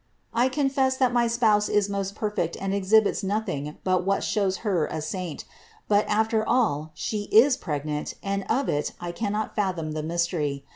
I confess that my Spouse is most perfect and exhibits nothing but what shows Her a saint ; but after all She is pregnant and of it I cannot fathom the mystery.